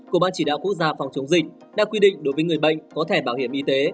của ban chỉ đạo quốc gia phòng chống dịch đã quy định đối với người bệnh có thẻ bảo hiểm y tế